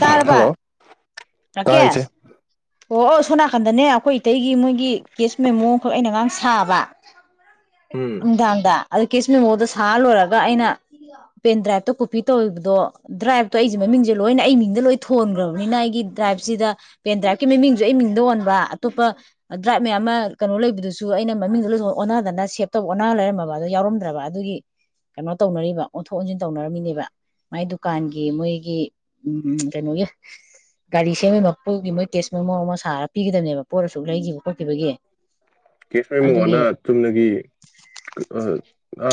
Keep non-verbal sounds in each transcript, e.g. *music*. ꯇꯔꯥꯕ hello ꯇꯥꯏ ꯏꯆꯦ ꯔꯀꯦꯁ ꯑꯣ ꯑꯣ ꯁꯣꯟꯅꯥꯀꯟꯗꯅꯦ ꯑꯩꯈꯣꯏ ꯏꯇꯩꯒꯤ ꯃꯣꯏꯒꯤ ꯀꯦꯁ ꯃꯦꯃꯣ ꯑꯃꯈꯛ ꯑꯩꯅ ꯉꯔꯥꯡ ꯁꯥꯕ ꯎꯝ ꯅꯨꯡꯗꯥꯡꯗ ꯑꯗꯣ ꯀꯦꯁ ꯃꯦꯃꯣꯗ ꯁꯥꯔ ꯂꯣꯏꯔꯒ ꯑꯩꯅ ꯄꯦꯟ ꯗ꯭ꯔꯥꯏꯞꯇꯣ ꯀꯣꯄꯤ ꯇꯧꯒꯤꯕꯗꯣ ꯗ꯭ꯔꯥꯏꯕꯇꯣ ꯑꯩꯒꯤ ꯃꯃꯤꯡꯁꯦ ꯂꯣꯏꯅ ꯑꯩꯒꯤ ꯃꯤꯡꯗ ꯂꯣꯏ ꯊꯣꯟꯈ꯭ꯔꯕꯅꯤꯅ ꯑꯩꯒꯤ ꯗ꯭ꯔꯥꯏꯞꯁꯤꯗ ꯄꯦꯟꯗ꯭ꯔꯥꯏꯞ ꯀꯤ ꯃꯃꯤꯡꯖꯦ ꯑꯩ ꯃꯤꯡꯗ ꯑꯣꯟꯕ ꯑꯇꯣꯞꯄ ꯗ꯭ꯔꯥꯏꯕ ꯃꯌꯥꯝ ꯑꯃ ꯀꯩꯅꯣ ꯂꯩꯕꯗꯨꯁꯨ ꯑꯩꯅ ꯃꯃꯤꯡꯖꯦ ꯑꯣꯟꯅꯗꯅ ꯁꯦꯞ ꯇꯧꯕ ꯑꯣꯟꯅꯔ ꯂꯩꯔꯝꯃꯕ ꯑꯗꯣ ꯌꯥꯎꯔꯝꯗ꯭ꯔꯕ ꯑꯗꯨꯒꯤ ꯀꯩꯅꯣ ꯇꯧꯅꯔꯤꯕ ꯑꯣꯟꯊꯣꯛ ꯑꯣꯟꯊꯣꯛ ꯑꯣꯟꯖꯤꯟ ꯇꯧꯅꯔꯝꯃꯤꯅꯦꯕ ꯃꯥꯏ ꯗꯨꯀꯥꯟꯒꯤ ꯃꯣꯏꯒꯤ ꯎꯝ ꯀꯩꯅꯣꯒꯤ ꯒꯥꯔꯤ ꯁꯦꯝꯕꯒꯤ ꯃꯄꯨꯒꯤ ꯃꯣꯏꯒꯤ ꯇꯦꯛ ꯃꯣꯃꯣ ꯑꯃ ꯁꯥꯔꯒ ꯄꯤꯒꯗꯕꯅꯦꯕ ꯄꯣꯠ ꯑꯁꯨꯛ ꯂꯩꯒꯤꯕ ꯀꯦꯁ ꯃꯦꯃꯣ ꯑꯅ ꯆꯨꯝꯅꯒꯤ ꯑ ꯑ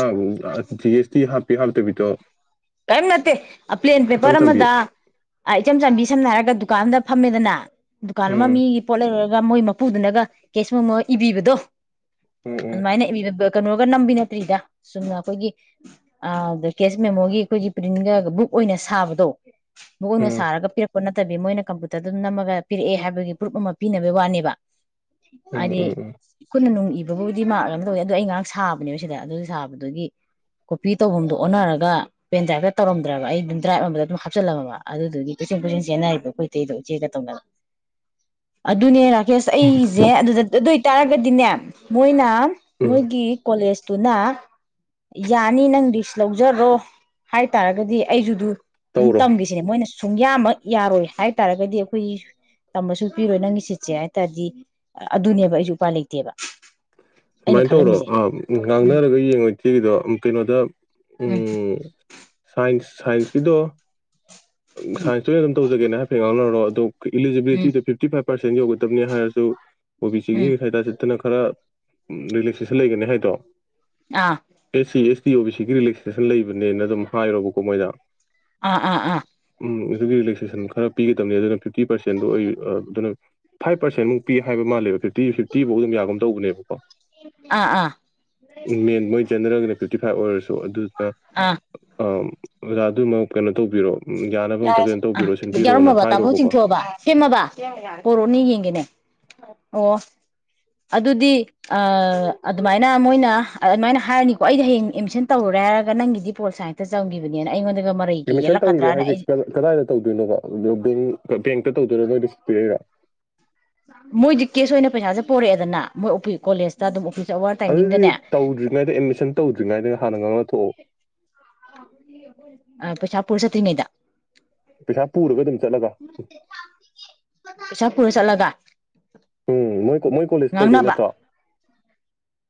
ꯑ ꯖꯤ ꯑꯦꯁ ꯇꯤ ꯍꯥꯞ ꯄꯤꯍꯥꯜ ꯇꯤꯕꯤꯇꯣ ꯀꯔꯤꯝ ꯅꯠꯇꯦ ꯑ ꯄ꯭ꯂꯦꯟ ꯄꯦꯄꯔ ꯑꯃꯗ ꯑ ꯏꯆꯝ ꯆꯝꯕꯤ ꯁꯝꯅ ꯍꯥꯏꯔ ꯗ ꯗꯨꯀꯥꯟꯗ ꯐꯝꯃꯦꯗꯅ ꯗꯨꯀꯥꯟ ꯑꯃ ꯎꯝ ꯃꯤꯒꯤ ꯄꯣꯠ ꯂꯩꯔꯧꯔ ꯒ ꯃꯣꯏꯃꯄꯨꯗꯨꯅꯒ ꯀꯦꯁ ꯃꯦꯃꯣ ꯏꯕꯤꯕꯗꯣ ꯎꯝ ꯑꯗꯨꯃꯥꯥꯏꯅ ꯏꯕꯤꯔꯕ ꯀꯩꯅꯣꯒ ꯅꯝꯕꯤ ꯅꯠꯇ꯭ꯔꯤꯗ ꯆꯨꯝꯅ ꯑꯩꯈꯣꯏꯒꯤ ꯑ ꯗꯀꯦꯁ ꯃꯦꯃꯣꯒꯤ ꯑꯩꯈꯣꯏꯒꯤ ꯄ꯭ꯔꯤꯟꯒ ꯕꯨꯛ ꯑꯣꯏꯅ ꯁꯥꯕꯗꯣ ꯕꯣꯡꯅ ꯎꯝ ꯁꯥꯔꯒ ꯄꯤꯔꯛ ꯄꯣꯠ ꯅꯠꯇꯕꯤ ꯃꯣꯏꯅ ꯀꯝꯄꯨꯇꯔꯗꯨꯗ ꯅꯝꯃꯒ ꯄꯤꯔꯛꯑꯦ ꯍꯥꯏꯕꯒꯤ ꯄ꯭ꯔꯨꯨꯞ ꯑꯃ ꯄꯤꯅꯕꯒꯤ ꯋꯥꯅꯦꯕ ꯎꯝ ꯑꯥꯏꯗꯤ ꯎꯝ ꯎꯝ ꯈꯨꯠꯅ ꯅꯨꯡꯏꯕ ꯂꯣꯏꯅꯕꯨꯗꯤ ꯃꯥꯟꯂꯒ ꯑꯗꯨ ꯑꯩ ꯉꯥꯔꯥꯡ ꯁꯥꯕꯅꯦꯕ ꯁꯤꯗ ꯑꯗꯨ ꯁꯥꯕꯗꯨꯒꯤ ꯀꯣꯄꯤ ꯇꯧꯕꯝꯗꯨ ꯑꯣꯟꯅꯔꯒ ꯄꯦꯟ ꯗ꯭ꯔꯥꯏꯞꯇ ꯇꯧꯔꯝꯗ꯭ꯔꯕ ꯑꯩ ꯑꯗꯨꯝ ꯗ꯭ꯔꯥꯏꯕ ꯑꯃꯗ ꯑꯗꯨꯝ ꯍꯥꯞꯆꯤꯜꯂꯝꯃꯕ ꯑꯗꯨꯗꯨꯒꯤ ꯀꯣꯏꯆꯦꯜ ꯀꯣꯏꯆꯦꯜ ꯆꯦꯟꯅꯔꯤꯕ ꯑꯩꯈꯣꯏ ꯏꯇꯩꯗꯣ ꯏꯆꯦꯒ ꯇꯧꯅꯔꯒ ꯑꯗꯨꯅꯦ ꯔ ꯀꯦꯁ ꯎꯝ ꯑꯩꯖꯦ ꯑꯗꯨꯗ ꯑꯗꯨꯏ ꯇꯥꯔꯒꯗꯤꯅꯦ ꯃꯣꯏꯅ ꯎꯝ ꯃꯣꯏꯒꯤ ꯀꯣꯂꯦꯖ ꯇꯨꯅ ꯌꯥꯅꯤ ꯅꯪ ꯔꯤꯛꯁ ꯂꯧꯖꯔꯣ ꯍꯥꯏꯇꯥꯔꯒꯗꯤ ꯑꯩꯖꯨ ꯗꯨ ꯑꯗꯨꯝ ꯇꯧꯔꯣ ꯇꯝꯈꯤꯁꯤꯅꯦ ꯃꯣꯏꯅ ꯁꯨꯡꯌꯥꯃꯛ ꯌꯥꯔꯣꯏ ꯍꯥꯏ ꯇꯥꯔꯒꯗꯤ ꯑꯩꯈꯣꯏ ꯇꯝꯃꯁꯨ ꯄꯤꯔꯣꯏ ꯅꯪꯒꯤ ꯁꯤꯠꯁꯦ ꯍꯥꯏ ꯇꯥꯔꯗꯤ ꯑꯗꯨꯅꯦꯕ ꯑꯩꯁꯨ ꯎꯄꯥꯏ ꯂꯩꯇꯦꯕ ꯑꯩꯅ ꯁꯨꯃꯥꯏꯅ ꯇꯧꯔꯣ ꯈꯜꯂꯝꯃꯤꯁꯦ ꯑ ꯎꯝ ꯉꯥꯡꯅꯔꯒ ꯌꯦꯡꯉꯣꯏ ꯏꯆꯦꯒꯤꯗꯣ ꯀꯩꯅꯣꯗ ꯎꯝ ꯁꯥꯏꯟꯁ ꯁꯥꯏꯟꯁ ꯀꯤꯗꯣ ꯁꯥꯏꯟꯁꯇꯨ ꯑꯩ ꯑꯗꯨꯝ ꯇꯧꯖꯒꯦꯅ ꯍꯥꯏꯐꯦꯠ ꯉꯥꯡꯅꯔꯣꯂꯣ ꯑꯗꯨ ꯎꯝ ꯎꯝ ꯏꯂꯂꯤꯖꯤꯕꯤꯂꯤꯇꯤꯗ ꯐꯤꯐꯇꯤ ꯐꯥꯏꯚ ꯄꯥꯔꯁꯦꯟ ꯌꯧꯒꯗꯕꯅꯤ ꯍꯥꯏꯔꯁꯨ ꯑꯣ ꯕꯤ ꯁꯤꯒꯤ ꯎꯝ ꯈꯥꯏꯗꯥ ꯆꯠꯇꯅ ꯈꯔ ꯔꯤꯂꯦꯛꯁꯦꯁꯟ ꯂꯩꯒꯅꯤ ꯍꯥꯏꯗꯣ ꯑꯥ SC S T O B ꯁꯤꯒꯤ ꯔꯤꯂꯦꯛꯁꯦꯁꯟ ꯂꯩꯕꯅꯦꯅ ꯑꯗꯨꯝ ꯍꯥꯏꯔꯣꯕꯀꯣ ꯃꯣꯏꯗ ꯑꯥ ꯑꯥ ꯑꯥ ꯎꯝ ꯑꯗꯨꯒꯤ ꯔꯤꯂꯦꯛꯁꯦꯁꯟ ꯈꯔ ꯄꯤꯒꯗꯕꯅꯦ ꯑꯗꯨꯅ ꯐꯤꯐꯇꯤ ꯄꯔꯁꯦꯟꯗꯨ ꯑꯩ ꯑꯗꯨꯅ ꯐꯥꯏꯚ ꯄꯥꯔꯁꯦꯟꯃꯨꯛ ꯄꯤ ꯍꯥꯏꯕ ꯃꯥꯜꯂꯦꯕ ꯐꯤꯞꯇꯤ ꯐꯤꯐꯇꯤꯐꯧ ꯑꯗꯨꯝ ꯌꯥꯒꯨꯝ ꯇꯧꯕꯅꯦꯕꯀꯣ ꯑꯥ ꯑꯥ ꯎꯝ ꯃꯦꯟ ꯆꯗ꯭ꯔꯒꯅꯦ ꯐꯤꯇꯤ ꯐꯥꯏꯚ ꯑꯣꯏꯔꯁꯨ ꯑꯗꯨꯗꯨꯅ ꯑꯥ ꯑ ꯑꯣꯖꯥ ꯑꯗꯨꯃꯛ ꯀꯩꯅꯣ ꯇꯧꯕꯤꯔꯣ ꯎꯝ ꯌꯥꯅꯕ ꯑꯝꯇ ꯀꯩꯅꯣ ꯑ ꯇꯧꯕꯤꯔꯣ ꯁꯤꯟꯕꯤꯔꯣꯅ ꯌꯥꯎꯔꯝꯃꯕ ꯇꯥꯃꯣ ꯍꯥꯏꯔꯣꯕꯀꯣ ꯆꯤꯡꯊꯣꯛꯑꯕ ꯁꯦꯝꯃꯕ ꯄꯣꯔꯣꯛꯑꯣꯅꯦ ꯌꯦꯡꯒꯦꯅꯦ ꯑꯣ ꯑꯗꯨꯗꯤ ꯑꯗꯨꯃꯥꯏꯅ ꯃꯣꯏꯅ ꯑꯗꯨꯃꯥꯏꯅ ꯍꯥꯏꯔꯅꯤꯀꯣ ꯑꯩꯗꯤ ꯍꯌꯦꯡ ꯑꯦꯠꯃꯤꯁꯟ ꯇꯧꯔꯨꯔꯦ ꯍꯥꯏꯔꯒ ꯅꯪꯒꯤꯗꯤ ꯄꯣꯜ ꯁꯥꯏꯟꯁꯇ ꯆꯪꯒꯤꯈꯤꯕꯅꯦꯅ ꯑꯩꯉꯣꯟꯗ ꯃꯔꯩꯒ ꯑꯦꯗꯃꯤꯁꯟ ꯇꯧꯔꯨꯔꯦ ꯌꯦꯜꯂꯛꯀꯗ꯭ꯔꯥꯅ ꯍꯥꯏꯁꯦ ꯑꯩꯁꯦ ꯀꯗꯥ ꯀꯗꯥꯏꯗ ꯇꯧꯗꯣꯏꯅꯣꯕ ꯕꯦꯡ ꯕꯦꯡꯇ ꯇꯧꯗꯣꯏꯔꯣ ꯃꯣꯏ ꯔꯤꯁꯤꯚ ꯄꯤꯔꯛꯏꯔꯥ ꯃꯣꯏꯗꯤ ꯀꯦꯁ ꯑꯣꯏꯅ ꯄꯩꯁꯥꯁꯦ ꯄꯣꯔꯛꯑꯦꯗꯅ ꯃꯣꯏ ꯑꯣꯞ ꯀꯣꯂꯦꯖꯇ ꯑꯗꯨꯝ ꯎ ꯑꯗꯨꯗꯤ ꯇꯧꯗ꯭ꯔꯤꯢꯉꯩꯗ ꯑꯦꯗꯃꯤꯁꯟ ꯇꯧꯗ꯭ꯔꯤ ꯗꯔꯤꯉꯥꯏꯅ ꯍꯥꯟꯅ ꯇꯣ ꯑ ꯄꯩꯁꯥ ꯄꯨꯔ ꯆꯠꯇꯔꯤꯉꯩꯗ ꯄꯩꯁꯥ ꯄꯨꯔꯒ ꯑꯗꯨꯝ ꯆꯠꯂꯒ ꯄꯩꯁꯥ ꯄꯨꯔ ꯆꯠꯂꯒ ꯎꯝ ꯃꯣꯏ ꯃꯣꯏ ꯀꯣꯂꯦꯖ ꯇꯧꯗꯣꯏ ꯉꯥꯡꯅꯕ ꯅꯠꯇ꯭ꯔꯣ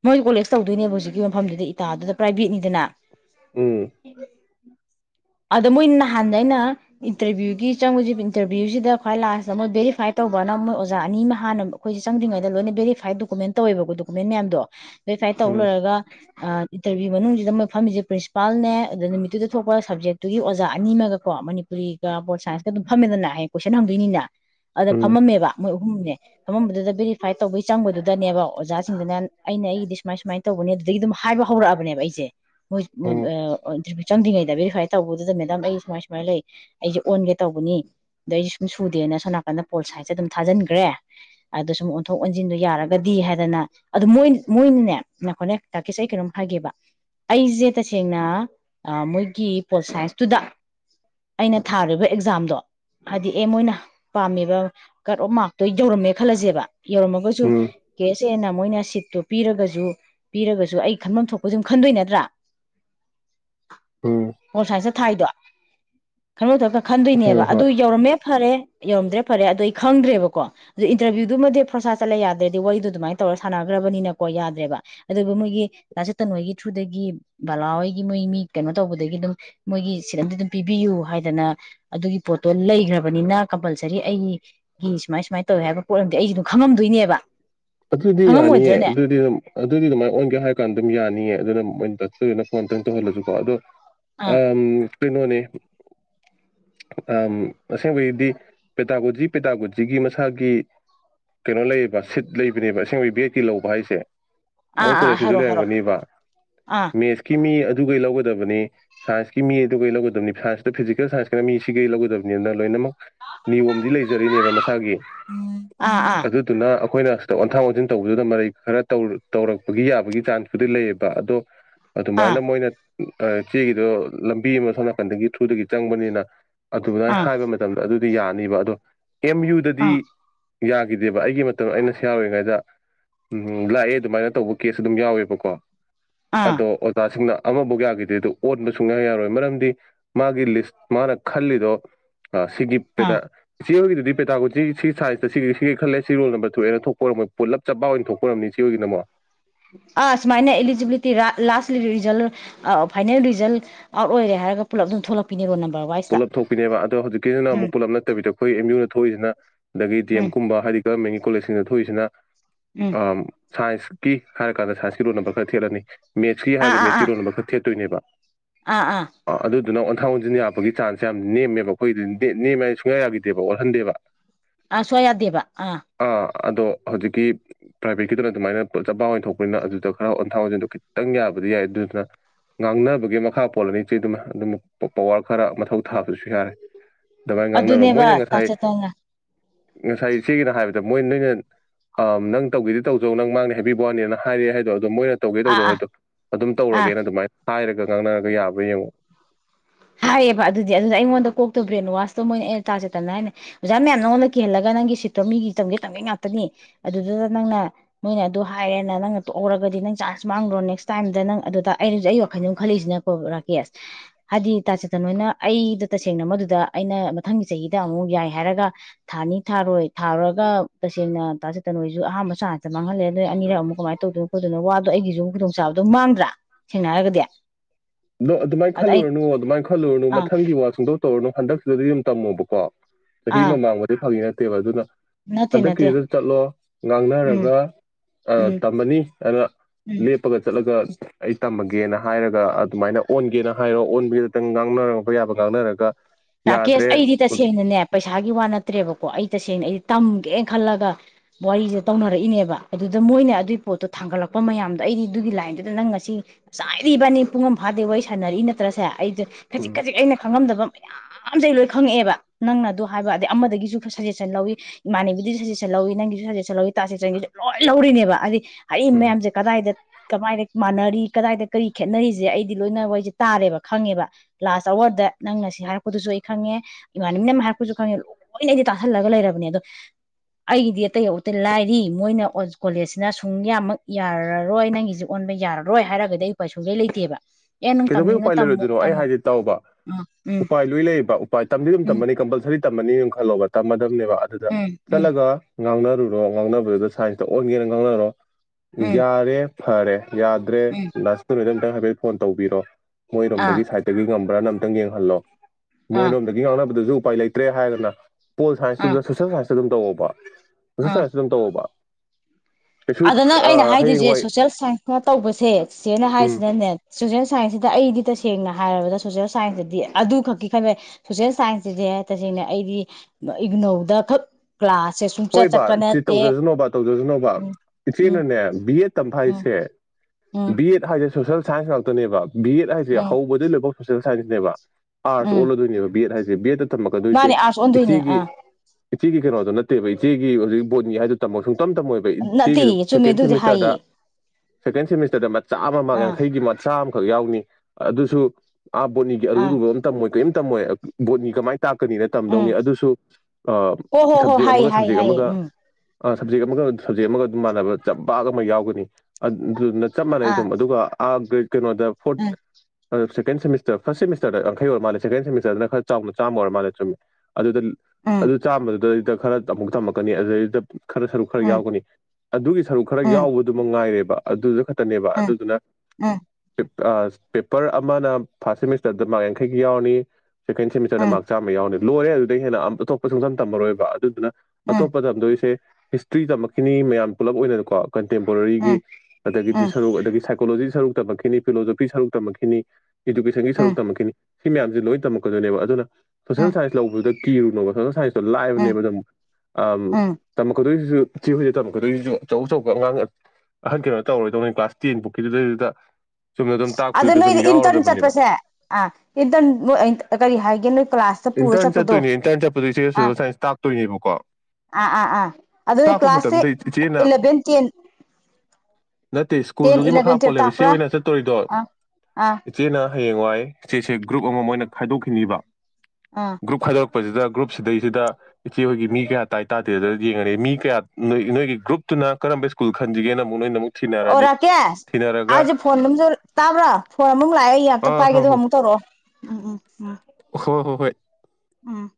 ꯃꯣꯏ ꯀꯣꯂꯦꯖ ꯇꯧꯗꯣꯏꯅꯦꯕ ꯍꯧꯖꯤꯛ ꯃꯐꯝꯗꯨꯗ ꯏꯇꯥꯗꯨꯗ ꯄ꯭ꯔꯥꯏꯚꯦꯠꯅꯤꯗꯅ ꯎꯝ ꯑꯗ ꯃꯣꯏ ꯅꯍꯥꯟꯗ ꯑꯩꯅ ꯏꯟꯇꯔꯚꯤꯌꯨꯒꯤ ꯆꯪ ꯏꯟꯇꯔꯚꯤꯌꯨꯁꯤꯗ ꯈ꯭ꯋꯥꯏ ꯂꯥꯁꯗ ꯃꯣꯏ ꯚꯦꯔꯤꯐꯥꯏ ꯇꯧꯕꯅ ꯃꯣꯏ ꯑꯣꯖꯥ ꯑꯅꯤ ꯑꯃ ꯍꯥꯟꯅ ꯑꯩꯈꯣꯏꯁꯦ ꯆꯪꯗ꯭ꯔꯤꯉꯩꯗ ꯑꯗ ꯂꯣꯏꯅ ꯕꯦꯔꯤꯐꯥꯏꯠ ꯗꯣꯀꯨꯃꯦꯟ ꯇꯧꯋꯦꯕ ꯗꯣꯀꯨꯃꯦꯟ ꯃꯌꯥꯝꯗꯣ ꯕꯦꯔꯤꯐꯥꯏ ꯇꯧ ꯎꯝ ꯂꯣꯏꯔꯒ ꯑꯥ ꯏꯟꯇꯔꯚꯤꯌꯨ ꯃꯅꯨꯡꯁꯤꯗ ꯐꯝꯃꯤꯁꯦ ꯄ꯭ꯔꯤꯟꯁꯤꯄꯥꯜꯅꯦ ꯑꯗ ꯅꯨꯃꯤꯠꯇꯨꯗ ꯊꯣꯛꯄ ꯁꯕꯖꯦꯛꯇꯨꯒꯤ ꯑꯣꯖꯥ ꯑꯅꯤꯃꯒꯀꯣ ꯃꯅꯤꯄꯨꯔꯤꯒ ꯕꯣꯔꯠ ꯁꯥꯏꯟꯁꯀ ꯑꯗꯨꯝ ꯐꯝꯃꯦꯗꯅ ꯍꯌꯥꯡ ꯀꯣꯏꯁꯟ ꯍꯪꯗꯣꯏꯅꯤꯅ ꯑꯗ ꯎꯝ ꯐꯝꯃꯝꯃꯦꯕ ꯃꯣꯏ ꯑꯍꯨꯝꯅꯦ ꯐꯝꯃꯝꯕꯗꯨꯗ ꯕꯦꯔꯤ ꯇꯧꯕꯒꯤ ꯆꯪꯕꯗꯨꯗꯅꯦꯕ ꯑꯣꯖꯥꯁꯤꯡꯗꯨꯅ ꯑꯩꯅ ꯑꯩꯒꯤꯗꯤ ꯁꯨꯃꯥꯏ ꯁꯨꯃꯥꯏꯅ ꯇꯧꯕꯅꯦ ꯑꯗꯨꯗꯒꯤ ꯑꯗꯨꯝ ꯍꯥꯏꯕ ꯍꯧꯔꯛꯑꯕꯅꯦꯕ ꯑꯩꯁꯦ ꯃꯣꯏ ꯃꯣꯏ ꯎꯝ ꯑꯥ ꯏꯟꯇꯔꯚꯤꯌꯨ ꯆꯪꯗꯔꯤꯉꯩꯗ ꯕꯦꯔꯤꯐꯥꯏ ꯇꯧꯕꯗꯨꯗ ꯃꯦꯗꯥꯝ ꯑꯩ ꯁꯨꯃꯥꯏ ꯁꯨꯃꯥꯏꯅ ꯂꯩ ꯑꯩꯁꯦ ꯑꯣꯟꯒꯦ ꯇꯧꯕꯅꯤ ꯑꯗꯩ ꯁꯨꯝ ꯁꯨꯗꯦꯅ ꯁꯣꯝ ꯅꯥꯀꯟꯗ ꯄꯣꯜ ꯁꯥꯏꯠꯁꯦ ꯑꯗꯨꯝ ꯊꯥꯖꯤꯟꯈ꯭ꯔꯦ ꯑꯗꯣ ꯁꯨꯝ ꯑꯣꯟꯊꯣꯛ ꯑꯣꯟꯖꯤꯟꯗꯣ ꯌꯥꯔꯒ ꯗꯤ ꯍꯥꯏꯗꯅ ꯑꯗꯣ ꯃꯣꯏ ꯃꯣꯏꯅꯅꯦ ꯅꯈꯣꯅꯦ ꯇꯥꯛꯀꯦꯁ ꯑꯩ ꯀꯩꯅꯣꯝ ꯍꯥꯏꯒꯦꯕ ꯑꯩꯁꯦ ꯇꯁꯦꯡꯅ ꯃꯣꯏꯒꯤ ꯄꯣꯜ ꯁꯥꯏꯟꯁꯇꯨꯗ ꯑꯩꯅ ꯊꯥꯔꯤꯕ ꯑꯦꯛꯖꯥꯝꯗꯣ ꯍꯥꯏꯗꯤ ꯑꯦ ꯃꯣꯏꯅ ꯄꯥꯝꯃꯦꯕ ꯀꯔꯠ ꯑꯣꯐ ꯃꯥꯔꯛꯇꯣ ꯌꯧꯔꯝꯃꯦ ꯈꯜꯂꯁꯦꯕ ꯌꯧꯔꯝꯃꯒꯁꯨ ꯎꯝ ꯀꯦ ꯑꯦꯁ ꯑꯦꯅ ꯃꯣꯏꯅ ꯁꯤꯠ ꯄꯤꯔꯒꯁꯨ ꯄꯤꯔꯒꯁꯨ ꯑꯩ ꯈꯟꯐꯝ ꯊꯣꯛꯄ ꯑꯗꯨꯝ ꯈꯟꯗꯣꯏ ꯅꯠꯇ꯭ꯔꯥ ꯎꯝ ꯄꯣꯜ ꯁꯥꯏꯟꯁꯇ ꯊꯥꯏꯗꯣ ꯀꯩꯅꯣꯗꯒ ꯍꯣꯏ ꯈꯟꯗꯣꯏꯅꯦꯕ ꯍꯣꯏ ꯑꯗꯨ ꯌꯧꯔꯝꯃꯦ ꯐꯔꯦ ꯌꯧꯔꯝꯗ꯭ꯔꯦ ꯐꯔꯦ ꯑꯗꯣ ꯑꯩ ꯈꯪꯗ꯭ꯔꯦꯕꯀꯣ ꯑꯗꯨ ꯏꯟꯇꯔꯚꯤꯌꯨꯗꯨꯃꯗꯤ ꯐꯣꯔꯁꯥ ꯆꯠꯂ ꯌꯥꯗ꯭ꯔꯗꯤ ꯋꯥꯔꯤꯗꯣ ꯑꯗꯨꯃꯥꯏꯅ ꯇꯧꯔ ꯁꯥꯟꯅꯈ꯭ꯔꯕꯅꯤꯅꯀꯣ ꯌꯥꯗ꯭ꯔꯦꯕ ꯑꯗꯨꯕꯨ ꯃꯣꯏꯒꯤ ꯗꯥꯆꯠꯇꯟ ꯍꯣꯏꯒꯤ ꯊ꯭ꯔꯨꯗꯒꯤ ꯕꯂꯥ ꯍꯣꯏꯒꯤ ꯃꯣꯏ ꯃꯤ ꯀꯩꯅꯣ ꯇꯧꯕꯗꯒꯤ ꯑꯗꯨꯝ ꯃꯣꯏꯒꯤ ꯁꯤꯠꯝꯗꯤ ꯑꯗꯨꯝ ꯄꯤꯕꯤꯌꯨ ꯍꯥꯏꯗꯅ ꯑꯗꯨꯒꯤ ꯄꯣꯠꯇꯣ ꯂꯩꯈ꯭ꯔꯕꯅꯤꯅ ꯀꯝꯄꯜꯁꯔꯤ ꯑꯩꯒꯤ ꯁꯨꯃꯥꯏ ꯁꯨꯃꯥꯏꯅ ꯇꯧꯋꯦ ꯍꯥꯏꯕ ꯄꯣꯠ ꯑꯃꯗꯤ ꯑꯩꯒꯗꯨꯝ ꯈꯪꯉꯝꯗꯣꯏꯅꯦꯕ ꯑꯗꯨꯗꯤ ꯌꯥꯅꯤꯌꯦ ꯈꯪꯉꯝꯃꯣꯏꯗ꯭ꯔꯅꯦ ꯑꯗꯨꯗꯤ ꯑꯗꯨꯝ ꯑꯗꯨꯗꯤ ꯑꯗꯨꯃꯥꯏꯅ ꯑꯣꯟꯒꯦ ꯍꯥꯏ ꯀꯥꯟꯗ ꯑꯗꯨꯝ ꯌꯥꯅꯤꯑ ꯑꯗꯨꯅ ꯃꯣꯏ *unintelligible* ꯐꯣꯟꯇ ꯇꯧꯍꯜꯂꯁꯨ ꯑꯗꯨꯣ ꯑꯥ ꯑꯪ ꯀꯩꯅꯣꯅꯦ ꯑꯝ ꯑꯁꯦꯡꯕꯒꯤꯗꯤ ꯄꯦꯇꯥꯒꯨꯖꯤ ꯄꯦꯇꯥꯒꯨꯖꯤꯒꯤ ꯃꯁꯥꯒꯤ ꯀꯩꯅꯣ ꯂꯩꯌꯦꯕ ꯁꯤꯠ ꯂꯩꯕꯅꯦꯕ ꯑꯁꯦꯡꯕꯩ ꯕꯦꯠ ꯇꯤ ꯂꯧꯕ ꯍꯥꯏꯁꯦ ꯑꯥ ꯃꯣꯏ ꯑꯥ ꯀꯣꯂꯦꯖꯁꯤꯁꯨ ꯍꯥꯏꯔꯣ ꯍꯥꯏꯔꯣ ꯂꯩꯔꯝꯒꯅꯦꯕ ꯑꯥ ꯃꯦꯁꯀꯤ ꯃꯤ ꯑꯗꯨꯩ ꯂꯧꯒꯗꯕꯅꯤ ꯁꯥꯏꯟꯁꯀꯤ ꯃꯤ ꯑꯗꯨꯒꯩ ꯂꯧꯒꯗꯕꯅꯤ ꯁꯥꯏꯟꯁꯇ ꯐꯤꯖꯤꯀꯦꯜ ꯁꯥꯏꯟꯁꯀꯤꯅ ꯃꯤ ꯁꯤꯒꯩ ꯂꯧꯒꯗꯕꯅꯤꯅ ꯂꯣꯏꯅꯃꯛ ꯅꯤꯌꯣꯝꯗꯤ ꯂꯩꯖꯔꯤꯅꯦꯕ ꯃꯁꯥꯒꯤ ꯑꯥ ꯑꯥ ꯑꯗꯨꯗꯨꯅ ꯑꯩꯈꯣꯏꯅ ꯑꯣꯟꯊꯥ ꯑꯣꯟꯁꯤꯟ ꯇꯧꯕꯗꯨꯗ ꯃꯔꯩ ꯈꯔ ꯇꯧꯔꯛꯄꯒꯤ ꯌꯥꯕꯒꯤ ꯆꯥꯟꯁꯄꯨꯗꯤ ꯂꯩꯌꯦꯕ ꯑꯗꯣ ꯑꯥ ꯑꯗꯨꯃꯥꯏꯅ ꯃꯣꯏꯅ ꯆꯦꯒꯤꯗꯣ ꯂꯝꯕꯤ ꯑꯃ ꯁꯣꯝꯅꯀꯟꯗꯒꯤ ꯊ꯭ꯔꯨꯗꯒꯤ ꯆꯪꯕꯅꯤꯅ ꯑꯗꯨꯃꯥꯏ ꯑꯥ ꯍꯥꯏꯕ ꯃꯇꯝꯗ ꯑꯗꯨ ꯑꯗꯨ ꯌꯥꯅꯤꯕ ꯑꯗꯣ ꯑꯦꯝ ꯑꯥ ꯌꯨꯗꯗꯤ ꯌꯥꯈꯤꯗꯦꯕ ꯑꯩꯒꯤ *unintelligible* ꯑꯩꯅ ꯌꯥꯎꯔꯤꯉꯩꯗ ꯎꯝ ꯂꯥꯛꯑꯦ ꯑꯗꯨꯃꯥꯏꯅ ꯇꯧꯕ ꯀꯦꯁ ꯑꯗꯨꯝ ꯌꯥꯎꯋꯦꯕꯀꯣ ꯑꯥ ꯑꯗꯣ ꯑꯣꯖꯥꯁꯤꯡꯅ ꯑꯃꯐꯧ ꯌꯥꯈꯤꯗꯦꯗ ꯑꯣꯟꯕ ꯁꯨꯡꯌꯥꯌꯥ ꯌꯥꯔꯣꯏ ꯃꯔꯝꯗꯤ ꯃꯥꯒꯤ ꯂꯤꯁ ꯃꯥꯅ ꯈꯜꯂꯤꯗꯣ ꯑꯥ ꯁꯤꯒꯤ ꯑꯥ ꯄꯦꯗ ꯑꯃ ꯌꯨꯒꯗꯤ ꯄꯦꯇꯥꯀꯣꯖꯤ ꯁꯤ ꯁꯥꯏꯁꯇ ꯁꯤꯒꯤ ꯁꯤꯒꯤ ꯈꯜꯂꯦ ꯁꯤ ꯔꯣꯜ ꯅꯝꯕ ꯊꯣꯛꯑꯦꯅ ꯊꯣꯛꯄꯔꯝꯣꯏ ꯄꯨꯂꯞ ꯆꯕꯥꯛ ꯑꯣꯏꯅ ꯊꯣꯛꯄ ꯑꯣꯏꯔꯝꯅꯤ ꯏꯆꯦꯍꯣꯏꯒꯤꯅꯃꯨꯛ ꯑꯥ ꯁꯨꯃꯥꯏꯅ ꯑꯦꯂꯤꯖꯤꯕꯤꯂꯤꯇꯤ ꯔ ꯂꯥꯁ ꯔꯤꯖꯜ ꯑ ꯐꯥꯏꯅꯦꯜ ꯔꯤꯖꯜ ꯑꯥꯎꯠ ꯑꯣꯏꯔꯦ ꯍꯥꯏꯔꯒ ꯄꯨꯂꯞ ꯑꯗꯨꯝ ꯊꯣꯛꯂꯛꯄꯤꯅꯦꯕ ꯅꯝ ꯄꯨꯂꯞ ꯊꯣꯛꯄꯤꯅꯦꯕ ꯑꯗꯣ ꯍꯧꯖꯤꯛꯀꯤꯁꯤꯅ ꯑꯃꯨꯛ ꯄꯨꯂꯞ ꯅꯠꯇꯕꯤꯗ ꯑꯩꯈꯣꯏ ꯑꯦꯝ ꯌꯨꯅ ꯊꯣꯛꯏꯁꯤꯅ ꯗꯒꯤ ꯗꯤ ꯑꯦꯝ ꯎꯝ ꯀꯨꯝꯕ ꯍꯔꯤꯛ ꯒꯔꯃꯦꯟꯒꯤ ꯀꯣꯂꯦꯖꯁꯤꯡꯗ ꯊꯣꯛꯏꯁꯤꯅ ꯎꯝ ꯑ ꯁꯥꯏꯟꯁ ꯀꯤ ꯍꯥꯏꯔ ꯀꯥꯟꯗ ꯁꯥꯟꯁꯒꯤ ꯔꯣꯟ ꯅꯝꯕ꯭ꯔ ꯈꯔ ꯊꯦꯠꯂꯅꯤ ꯃꯦꯠꯁꯀꯤ ꯑꯥ ꯍꯥꯏꯔꯒ ꯑꯥ ꯃꯦꯠꯁꯀꯤ ꯑꯥ ꯔꯣꯟ ꯅꯝꯕꯔ ꯀꯛꯈꯤ ꯇꯨꯏꯅꯦꯕ ꯑꯥ ꯑꯥ ꯑ ꯑꯗꯨꯗꯨꯅ ꯈꯡꯎꯗꯅ ꯌꯥꯄꯒꯤ ꯆꯥꯟꯁꯦ ꯌꯥꯝ ꯅꯦꯝꯃꯦꯕ ꯑꯩꯈꯣꯏꯒꯤꯗꯤ ꯅꯦ ꯅꯦꯝꯃꯦ ꯁꯨꯡꯌꯥ ꯌꯥꯈꯤꯗꯦꯕ ꯋꯥꯠꯍꯟꯗꯦꯕ ꯑ ꯁꯣꯌꯥ ꯌꯥꯗꯦꯕ ꯑꯥ ꯑꯗꯣ ꯍꯧꯖꯤꯛꯀꯤ ꯄ꯭ꯔꯥꯏꯚꯦꯠꯀꯤꯗꯨꯅ ꯑꯗꯨꯃꯥꯏꯅ ꯆꯄ ꯑꯣꯏꯅ ꯊꯣꯛꯄꯅꯤꯅ ꯑꯗꯨꯗ ꯈꯔ ꯑꯣꯟꯊꯥꯡ ꯑꯣꯟꯁꯤꯟꯗꯣ ꯈꯤꯇꯪ ꯌꯥꯕꯗꯤ ꯌꯥꯏ ꯑꯗꯨꯗꯨꯅ ꯉꯥꯡꯅꯕꯒꯤ ꯃꯈꯥ ꯄꯣꯜꯂꯅꯤ ꯏꯆꯦꯗꯨꯃ ꯑꯗꯨꯝ ꯄ ꯄꯋꯥꯔ ꯈꯔ ꯃ ꯐꯧ ꯊꯥꯕꯁꯨ ꯌꯥꯔꯦ ꯑꯗꯨꯃꯥꯏꯅ ꯉꯥꯡꯅꯔꯣ ꯑꯗꯨꯅꯦꯕ ꯃꯣꯏꯅ ꯉꯁꯥꯏ ꯇꯥꯆꯦꯇꯟꯅ ꯉꯁꯥꯏ ꯁꯤꯒꯤꯅ ꯍꯥꯏꯕ ꯑꯗ ꯃꯣꯏ ꯅꯣꯏꯅ ꯑ ꯅꯪ ꯇꯧꯒꯦꯗꯤ ꯇꯧꯖꯧ ꯅꯪ ꯃꯥꯥꯡꯅꯦ ꯍꯥꯏꯕꯤꯕ ꯋꯥꯅꯦꯅ ꯍꯥꯏꯔ ꯍꯥꯏꯗꯣ ꯑꯗꯨ ꯃꯣꯏꯅ ꯇꯧꯒꯦ ꯑꯥ ꯇꯧꯗ ꯑꯥ ꯃꯣꯏꯗꯣ ꯑꯗꯨꯝ ꯑꯥ ꯇꯧꯔꯒꯦꯅ ꯑꯗꯨꯃꯥꯏꯅ ꯍꯥꯏꯔꯒ ꯉꯥꯡꯅꯔꯒ ꯌꯥꯕ꯭ꯔꯥ ꯌꯦꯡꯉꯨ ꯍꯥꯏꯌꯦꯕ ꯑꯗꯨ ꯑꯗꯨꯗ ꯑꯩꯉꯣꯟꯗ ꯀꯣꯛꯇꯣ ꯕ꯭ꯔꯦꯟ ꯋꯥꯁꯇꯣ ꯃꯣꯏꯅ ꯑꯩꯅ ꯇꯥꯛꯆꯦꯠꯇꯟꯅ ꯍꯥꯏꯅ ꯑꯣꯖꯥ ꯃꯌꯥꯝ ꯅꯉꯣꯟꯗ ꯀꯤꯍꯜꯂꯒ ꯅꯪꯒꯤ ꯁꯤꯠꯇꯣ ꯃꯤꯒꯤ ꯇꯝꯒꯦ ꯇꯝꯒꯦ ꯉꯥꯛꯇꯅꯤ ꯑꯗꯨꯗꯨꯗ ꯅꯪꯅ ꯃꯤꯅ ꯑꯗꯨ ꯍꯥꯏꯔꯦꯅ ꯅꯪꯅ ꯇꯣꯛꯍꯧꯔꯒꯗꯤ ꯅꯪ ꯆꯥꯟꯁ ꯃꯥꯡꯈ꯭ꯔꯣ ꯅꯦꯛꯁ ꯇꯥꯏꯝꯗ ꯅꯪ ꯑꯗꯨꯗ ꯑꯩꯩꯅꯁꯨ ꯑꯩ ꯋꯥꯈꯜ ꯑꯃ ꯈꯜꯂꯤꯁꯤꯅꯀꯣ ꯔꯥꯀꯦꯁ ꯍꯥꯏꯗꯤ ꯇꯥ ꯆꯦꯠꯇꯟ ꯅꯣꯏꯅ ꯑꯩꯗ ꯇꯁꯦꯡꯅ ꯃꯗꯨꯗ ꯑꯩꯅ ꯃꯊꯪꯒꯤ ꯆꯍꯤꯗ ꯑꯃꯨꯛ ꯌꯥꯏ ꯍꯥꯏꯔꯒ ꯊꯥꯅꯤ ꯊꯥꯔꯣꯏ ꯊꯥꯔꯨꯔꯒ ꯇꯁꯦꯡꯅ ꯇꯥꯆꯦꯠꯇꯟ ꯍꯣꯏꯁꯨ ꯑꯍꯥꯟꯕ ꯆꯥꯟꯁꯇ ꯃꯥꯡꯍꯜꯂꯦ ꯅꯣꯢ ꯑꯅꯤꯔꯛ ꯑꯃꯨꯛ ꯀꯃꯥꯏꯅ ꯇꯧꯗꯅꯣ ꯈꯣꯠꯇꯅꯣ ꯋꯥꯗꯣ ꯑꯩꯒꯤꯁꯨ ꯈꯨꯗꯣꯡꯆꯥꯥꯕꯗꯣ ꯃꯥꯡꯗ꯭ꯔꯥ ꯁꯦꯡꯅ ꯍꯥꯏꯔꯒꯗꯤ ꯑꯗꯣ ꯑꯗꯨꯃꯥꯏ ꯑꯗ ꯑꯩ ꯈꯜꯂꯨꯔꯅꯨ ꯑꯗꯨꯃꯥꯏꯅ ꯈꯜꯂꯨꯅꯨ ꯑꯥ ꯃꯊꯪꯒꯤ ꯋꯥ ꯁꯨꯡꯇꯧ ꯇꯧꯔꯨꯔꯅꯨ ꯍꯗꯛꯁꯤꯗꯗꯤ ꯌꯨꯝ ꯇꯝꯃꯣꯕꯀꯣ ꯆꯍꯤ ꯑꯥ ꯑꯃ ꯃꯥꯡꯕꯗꯤ ꯐꯥꯒꯤ ꯅꯠ ꯅꯠꯇꯦꯕ ꯑꯗꯨꯅ ꯅꯠꯇꯦ ꯅꯠꯇꯦ ꯍꯟꯗꯛꯀꯤꯗ ꯆꯠꯂꯣ ꯎꯝ ꯉꯥꯡꯅꯔꯒ ꯑ ꯎꯝ ꯇꯝꯃꯅꯤ ꯑꯅ ꯎꯝ ꯂꯦꯞꯄꯒ ꯆꯠꯂꯒ ꯑꯩ ꯇꯝꯃꯒꯦꯅ ꯍꯥꯏꯔꯒ ꯑꯗꯨꯃꯥꯏꯅ ꯑꯣꯟꯒꯦꯅ ꯍꯥꯏꯔꯣ ꯑꯣꯟꯕꯒꯤꯇꯪ ꯉꯥꯡꯅꯔꯛꯄ ꯌꯥꯕ ꯉꯥꯡꯅꯔꯒ ꯔꯥꯀꯦꯁ ꯌꯥꯗ꯭ꯔꯦ ꯑꯩꯗꯤ ꯇꯁꯦꯡꯅꯅꯦ ꯄꯩꯁꯥꯒꯤ ꯋꯥ ꯅꯠꯇ꯭ꯔꯦꯕꯀꯣ ꯑꯩ ꯇꯁꯦꯡꯅ ꯑꯩ ꯇꯝꯒꯦꯅ ꯈꯜꯂꯒ ꯋꯥꯔꯤꯁꯦ ꯇꯧꯅꯔꯛꯏꯅꯦꯕ ꯑꯗꯨꯗ ꯃꯣꯏꯅ ꯑꯗꯨꯒꯤ ꯄꯣꯠꯇꯣ ꯊꯥꯡꯒꯠꯂꯛꯄ ꯃꯌꯥꯝꯗꯣ ꯑꯩꯗꯤ ꯑꯗꯨꯒꯤ ꯂꯥꯏꯟꯗꯨꯗ ꯅꯪ ꯉꯁꯤ ꯆꯥꯏꯔꯤꯕꯅꯤ ꯄꯨꯡ ꯑꯃ ꯐꯥꯗꯦ ꯋꯥꯔꯤ ꯁꯥꯟꯅꯔꯛꯏ ꯅꯠꯇ꯭ꯔꯁꯦ ꯑꯩ ꯈꯖꯤꯛ ꯎꯝ ꯈꯖꯤꯛ ꯑꯩꯅ ꯈꯪꯉꯝꯗꯕ ꯃꯌꯥꯝꯖꯦ ꯂꯣꯏ ꯈꯪꯉꯛꯑꯦꯕ ꯅꯪꯅ ꯑꯗꯨꯣ ꯍꯥꯏꯕ ꯑꯗꯩ ꯑꯃꯗꯒꯤꯁꯨ ꯁꯖꯦꯁꯟ ꯂꯧꯏ ꯏꯃꯥꯟꯅꯕꯤꯗꯨꯁꯨ ꯁꯖꯦꯁꯟ ꯂꯧꯋꯏ ꯅꯪꯒꯤꯁꯨ ꯁꯖꯦꯁꯟ ꯂꯧꯏ ꯇꯥꯆꯦꯠꯇꯟ ꯒꯤꯁꯨ ꯂꯣꯏ ꯂꯧꯔꯤꯅꯦꯕ ꯑꯗꯤ ꯍꯥꯏꯔꯤꯕ ꯎꯝ ꯃꯌꯥꯝꯁꯦ ꯀꯗꯥꯏꯗ ꯀꯃꯥꯏꯅ ꯃꯥꯟꯅꯔꯤ ꯀꯗꯥꯏꯗ ꯀꯔꯤ ꯈꯦꯠꯅꯔꯤꯁꯦ ꯑꯩꯗꯤ ꯂꯣꯏꯅ ꯋꯥꯔꯤꯁꯦ ꯇꯥꯔꯦꯕ ꯈꯪꯉꯦꯕ ꯂꯥꯁ ꯑꯋꯥꯔꯗ ꯅꯪꯅ ꯁꯤ ꯁꯤ ꯍꯥꯏꯔꯛꯄꯗꯨꯁꯨ ꯑꯩ ꯈꯪꯉꯦ ꯏꯃꯥꯟꯅꯕꯅꯤ ꯅꯪ ꯍꯥꯏꯔꯛꯄꯁꯨ ꯈꯪꯉꯦ ꯂꯣꯏꯅ ꯑꯩꯗꯤ ꯇꯥꯟꯥꯁꯜꯂꯒ ꯂꯩꯔꯕꯅꯦ ꯑꯗꯣ ꯑꯩꯒꯤꯗꯤ ꯑꯇꯩ ꯑꯇꯩ ꯂꯥꯏꯔꯤ ꯃꯣꯏꯅ ꯑꯣ ꯀꯣꯂꯦꯖꯁꯤꯅ ꯁꯨꯡꯌꯥꯃꯛ ꯌꯥꯔꯔꯣꯏ ꯅꯪꯒꯤꯁꯦ ꯑꯣꯟꯕ ꯌꯥꯔꯔꯣꯏ ꯍꯥꯏꯔꯒꯗꯤ ꯑꯩ ꯎꯄꯥ ꯁꯨꯡꯂꯩ ꯂꯩꯇꯦꯕ ꯑꯦ ꯅꯪ ꯀꯩꯗꯧꯕꯩ ꯇꯝꯅꯤꯡꯉ ꯎꯄꯥꯏ ꯇꯝꯃꯣ ꯂꯩꯔꯣꯏꯗꯣꯏꯅꯣ ꯑꯩ ꯇꯝꯃꯣ ꯍꯥꯏꯖꯦ ꯇꯧꯕ ꯎꯝ ꯎꯝ ꯎꯄꯥꯏ ꯂꯣꯏ ꯂꯩꯌꯦꯕ ꯎꯄꯥꯏ ꯇꯝꯗꯤ ꯑꯗꯨꯝ ꯎꯝ ꯇꯝꯃꯅꯤ ꯀꯝꯄꯜꯁꯔꯤ ꯇꯝꯃꯅꯤ ꯈꯜꯂꯣꯕ ꯇꯝꯃ ꯎꯝꯅꯦꯕ ꯑꯗꯨꯗ ꯎꯝ ꯎꯝ ꯆꯂꯒ ꯉꯥꯡꯅꯔꯨꯔꯣ ꯉꯥꯡꯅꯕꯗꯨꯗ ꯁꯥꯏꯟꯁꯇ ꯑꯣꯟꯒꯦꯅ ꯉꯥꯡꯅꯔꯣ ꯎꯝ ꯌꯥꯔꯦ ꯐꯔꯦ ꯌꯥꯗ꯭ꯔꯦ ꯎꯝ *unintelligible* *unintelligible* ꯇꯧꯕꯤꯔꯣ ꯑꯥ ꯃꯣꯏꯔꯣꯝꯗꯒꯤ ꯁꯥꯏꯠꯇꯒꯤ ꯉꯝꯃ ꯕ꯭ꯔꯥꯅ ꯑꯃꯨꯛꯇꯪ ꯌꯦꯡꯍꯜꯂꯣ ꯑꯥ ꯃꯣꯏꯅ ꯔꯣꯟꯗꯒꯤ ꯉꯥꯡꯅꯕꯗꯨꯁꯨ ꯄꯥꯏ ꯂꯩꯇ꯭ꯔꯦ ꯍꯥꯏꯒꯅ ꯑꯥ ꯄꯣꯜꯁꯥꯏꯟꯁꯇꯨꯗ ꯁꯣꯁꯦꯜ ꯁꯥꯏꯟꯁ ꯁ ꯑꯗꯨꯝ ꯇꯧꯕ ꯁꯣꯁꯦ ꯁꯥꯏꯁꯤ ꯑꯗꯨꯝ ꯇꯧꯑꯣꯕ ꯀꯩꯁꯨ ꯑꯗꯣ ꯅꯪ ꯑꯩꯅ ꯍꯥꯏꯗꯣꯏꯔꯤꯁꯦ ꯍꯌꯦꯡꯋꯥꯏ ꯁꯣꯁꯦꯜ ꯁꯥꯏꯟꯁꯅ ꯇꯧꯕꯁꯦ ꯆꯤꯆꯦꯅ ꯎꯝ ꯍꯥꯏꯁꯤꯅꯅꯦ ꯁꯣꯁꯦꯜ ꯁꯥꯏꯟꯁꯁꯤꯗ ꯑꯩꯗꯤ ꯇꯁꯦꯡꯅ ꯍꯥꯏꯔꯕꯗ ꯁꯣꯁꯦꯜ ꯁꯥꯏꯟꯁꯇꯗꯤ ꯑꯗꯨꯈꯛꯀꯤ ꯈꯟꯕ ꯌꯥꯏ ꯁꯣꯁꯦꯜ ꯁꯥꯏꯟꯁꯁꯤꯗꯤ ꯇꯁꯦꯡꯅ ꯑꯩꯗꯤ ꯏꯒꯅꯧꯗ ꯈꯛ ꯀ꯭ꯂꯥꯁ ꯍꯣꯏ ꯕꯥ ꯆꯦ ꯇꯧꯖꯁꯁꯟꯅꯣꯕ ꯇꯧꯖꯁꯟꯅꯣꯕ ꯕ ꯎꯝ ꯎꯝ ꯏꯆꯦꯅꯅꯦ ꯕꯤ ꯑꯦꯗ ꯇꯝꯕ ꯎꯝ ꯍꯥꯏꯁꯦ ꯎꯝ ꯕꯤ ꯑꯦꯠ ꯁꯣꯁꯦꯜ ꯁꯥꯏꯟꯁ ꯉꯥꯛꯇꯅꯤꯕꯥ ꯕꯤ ꯑꯦꯠ ꯍꯥꯏꯁꯦ ꯎꯝ ꯍꯧꯕꯗꯩ ꯂꯣꯏꯕꯧ ꯐꯔꯤꯅꯦꯕ ꯑꯥꯔꯠꯁ ꯎꯝ ꯑꯣꯂꯗꯣꯏꯅꯤꯕ ꯕꯤ ꯑꯦꯠ ꯍꯥꯏ ꯕꯤ ꯑꯦꯇ ꯇꯝꯂꯛꯒꯗꯣꯏꯁꯦ ꯃꯥꯅꯦ ꯑꯥꯔꯠꯁ ꯑꯣꯟꯗꯣꯏꯅꯦ ꯏꯆꯦꯒꯤ ꯑꯥ ꯏꯆꯦꯒꯤ ꯀꯩꯅꯣꯗ ꯅꯠ ꯅꯠꯇꯦꯕ ꯏꯆꯦꯒꯤ ꯍꯧꯖꯤꯛ ꯕꯣꯅꯤ ꯍꯥꯏꯗ ꯇꯝꯃꯣ ꯁ ꯇꯝꯝ ꯇꯝ ꯑꯣꯏꯕ ꯏꯆꯦꯒꯤꯗꯨ ꯅꯠꯇꯦꯌꯦ ꯆꯨꯝꯃꯦ ꯁꯦꯀꯦꯟ ꯑꯗꯨꯗꯤ ꯍꯥꯏꯌꯦ ꯁꯦꯃꯤꯁꯇꯔꯗ ꯁꯦꯀꯦꯟ ꯁꯦꯃꯤꯁꯇꯔꯗ ꯃꯆꯥ ꯑꯃ ꯃꯥꯔꯛ ꯑꯥ ꯌꯥꯡꯈꯩꯒꯤ ꯃꯆꯥ ꯑꯃ ꯈꯛ ꯌꯥꯎꯅꯤ ꯑꯗꯨꯁꯨ ꯑꯥꯕꯣꯅꯤꯒꯤ ꯑꯔꯨ ꯑꯥ ꯔꯨꯕ ꯑꯝ ꯇꯝꯃꯣꯏ ꯀꯦꯝ ꯇꯝꯃꯣꯏ ꯕꯣꯠꯅꯤ ꯀꯃꯥꯏ ꯇꯥꯛꯀꯅꯤꯅ ꯇꯝꯗꯧꯅꯤ ꯑꯗꯨꯁꯨ ꯑ ꯍꯥꯏ ꯍꯥꯏ ꯍꯥꯏ ꯎꯝ ꯁꯞꯖꯦꯛ ꯑꯃꯒ ꯁꯞꯖꯦꯛ ꯑꯃꯒ ꯑꯗꯨꯝ ꯃꯥꯟꯅꯕ ꯆꯄꯥꯛꯛ ꯑꯃ ꯌꯥꯎꯒꯅꯤ ꯑꯗꯨ ꯆꯞ ꯃꯥꯟꯅꯩ ꯑꯥ ꯑꯗꯨꯝ ꯑꯗꯨꯒꯥ ꯑ ꯀꯩꯅꯣꯗ ꯐꯣꯔ ꯎꯝ ꯁꯀꯦꯟ ꯁꯦꯃꯤꯁꯇꯔ ꯐꯔꯁꯁꯦꯃꯤꯁꯇꯔꯗ ꯌꯥꯈꯩ ꯑꯣꯏꯔ ꯃꯥꯅꯦ ꯁꯀꯦꯟꯁꯦꯃꯤꯁꯇꯔ ꯈꯔ ꯆꯥꯎꯅ ꯆꯥꯝꯃ ꯑꯣꯏꯔ ꯃꯥꯂꯦ ꯆꯨꯝꯃꯤ ꯑꯗꯨꯗ ꯎꯝ ꯑꯗꯨ ꯆꯥꯝꯕꯗꯨꯗ ꯈꯔ ꯑꯃꯨꯛ ꯊꯝꯂꯀꯅꯤ ꯑꯗꯨꯗꯩꯗꯨꯗ ꯈꯔ ꯁꯔꯨꯛ ꯈꯔ ꯎꯝ ꯌꯥꯎꯒꯅꯤ ꯑꯗꯨꯒꯤ ꯁꯔꯨꯛ ꯈꯔ ꯎꯝ ꯌꯥꯎꯕꯗꯨ ꯃꯉꯥꯏꯔꯦꯕ ꯑꯗꯨ ꯈ ꯇꯅꯦꯕ ꯎꯝ ꯑꯗꯨꯗꯨꯅ ꯎꯝ ꯄꯦꯄꯔ ꯑꯃꯅ ꯐꯥꯔꯁ ꯁꯦꯃꯤꯁꯇꯔꯗ ꯃꯥꯔ ꯌꯥꯡꯈꯩꯒꯤ ꯌꯥꯎꯔꯅꯤ ꯁꯤꯀꯦꯟ ꯁꯤꯃꯤꯁꯇꯥꯔꯗ ꯎꯝ ꯃꯛ ꯆꯝꯃ ꯌꯥꯎꯔꯅꯤ ꯂꯣꯏꯔꯦ ꯑꯗꯨꯗꯒꯤ ꯍꯦꯟꯅ ꯑꯇꯣꯞꯄ ꯁꯨꯡꯇꯝ ꯇꯝꯃꯔꯣꯏꯕ *inaudible* ꯎꯝ ꯑꯇꯣꯞꯄ ꯇꯝꯗꯣꯏꯁꯦ ꯍꯤꯁꯇ꯭ꯔꯤ ꯇꯝꯃꯛꯈꯤꯅꯤ ꯃꯌꯥꯝ ꯄꯨꯜꯂꯞ ꯑꯣꯏꯅꯀꯣ ꯀꯟꯇꯦꯝꯄꯣꯔꯔꯤꯒꯤ ꯎꯝ ꯑꯗꯒꯤꯗꯤ ꯎꯝ ꯁꯔꯨꯛ ꯑꯗꯒꯤ ꯀꯣꯂꯣꯁꯤ ꯁꯔꯨꯛꯇꯝꯃꯛꯈꯤꯅꯤ ꯐꯤꯂꯣꯖꯣꯐꯤ ꯁꯔꯨꯛ ꯇꯝꯃꯛꯈꯤꯅꯤ ꯏꯗꯨꯀꯦꯁꯟꯒꯤ ꯁꯔꯨꯛ ꯎꯝ ꯇꯝꯃꯛꯈꯤꯅꯤ ꯁꯤ ꯃꯌꯥꯝꯁꯦ ꯂꯣꯏ ꯇꯝꯃꯛꯀꯗꯣꯏꯅꯦꯕ ꯑꯗꯨꯅ ꯁꯣꯁꯦꯜ ꯎꯝ ꯁꯥꯏꯟꯁ ꯂꯧꯕꯗ ꯀꯤꯔꯨꯅꯣꯕ ꯎꯝ ꯂꯥꯏꯕꯅꯦꯕ ꯑ ꯎꯝ ꯇꯃ ꯀ *inaudible* ꯑꯗꯨꯁꯤꯁꯨ ꯊꯤꯌꯣꯔꯤꯗ ꯇꯝꯃꯛꯇꯣꯏꯁꯤꯁꯨ ꯑꯆꯧ ꯑꯆꯧꯕ ꯑꯉꯥꯡ ꯑꯍꯟ ꯀꯩꯅꯣ ꯇꯧꯔꯣꯏꯗꯧꯅꯤ ꯀ꯭ꯂꯥꯁ ꯇꯦꯟ ꯄꯨꯛꯀꯤꯗꯨꯗꯩꯗꯨꯗ ꯑꯗ ꯅꯣꯏꯗꯤ ꯏꯟꯇꯔꯟ ꯆꯠꯄꯁꯦ ꯑꯥ ꯏꯟꯇꯔꯟ ꯀꯔꯤ ꯍꯥꯏꯒꯦ ꯅꯣꯏ ꯀ꯭ꯂꯥꯁꯇ ꯄꯨꯔ ꯏꯟꯇꯔꯟ ꯆꯠꯄꯗꯣ ꯆꯠꯇꯣꯏꯅꯦ ꯏꯟꯇꯔꯟ ꯆꯠꯄꯗ ꯏꯆꯦ ꯑꯥ ꯁꯣꯁꯦꯜ ꯁꯥꯏꯟꯁ ꯇꯥꯛꯇꯣꯏꯅꯦꯕꯀꯣ ꯑꯥ ꯑꯥ ꯑꯥ ꯑꯗꯨ ꯇꯥꯛꯄ ꯀ꯭ꯂꯥꯁꯁꯦ ꯃꯇꯝꯗ ꯏꯆꯦꯅ ꯏꯂꯚꯦꯟ ꯇꯦꯟ ꯅꯠꯇꯦ ꯇꯦꯟ ꯁ꯭ꯀꯨꯜꯗꯨꯒꯤ ꯃꯈꯥ ꯏꯂꯚꯦꯟ ꯇꯨꯌꯦꯜꯞ ꯄꯣꯜꯂꯦꯕ ꯏꯆꯦ ꯇꯥꯛꯄ꯭ꯔꯥ ꯍꯣꯏꯅ ꯆꯠꯇꯣꯏꯔꯤꯗꯣ ꯑꯥ ꯑꯥ ꯏꯆꯦꯅ ꯍꯌꯦꯡꯋꯥꯏ ꯆꯦꯆꯦ ꯒ꯭ꯔꯨꯞ ꯑꯃ ꯃꯣꯏꯅ ꯈꯥꯏꯗꯣꯛꯈꯤꯅꯤꯕ ꯑꯥ ꯒ꯭ꯔꯨꯞ ꯈꯥꯏꯗꯣꯔꯛꯄꯩꯗꯨꯗ ꯒ꯭ꯔꯨꯞꯁꯤꯗꯩ ꯁꯤꯗ ꯏꯆꯦ ꯍꯣꯏꯒꯤ ꯃꯤ ꯀꯌꯥ ꯇꯥꯏ ꯇꯥꯗꯦ ꯑꯗꯨ ꯌꯦꯡꯉꯔꯦ ꯃꯤ ꯀꯌꯥ ꯅꯣꯏ ꯅꯣꯏꯒꯤ ꯒ꯭ꯔꯨꯞꯇꯨꯅ ꯀꯔꯝꯕ ꯁ꯭ꯀꯨꯜ ꯈꯟꯁꯤꯒꯦꯅ ꯑꯃꯨꯛ ꯅꯣꯏꯅ ꯑꯃꯨꯛ ꯊꯤꯅꯔꯅꯤ ꯑꯣꯔꯛꯀꯦꯁ ꯊꯤꯅꯔꯒ ꯑꯩꯁꯦ ꯐꯣꯟꯑꯃꯁꯨ ꯇꯥꯕ꯭ꯔꯥ ꯐꯣꯟ ꯑꯃꯨꯛ ꯂꯥꯛꯑꯦ ꯑꯩꯝꯇ ꯑꯥ ꯄꯥꯏꯒꯦ ꯍꯣꯏ ꯑꯗꯨ ꯍꯣꯏ ꯑꯃꯨꯛ ꯇꯧꯔꯛꯑꯣ ꯎꯝ ꯎꯝ ꯎꯝ ꯍꯣꯏ ꯍꯣꯏ ꯍꯣꯏ ꯎꯝ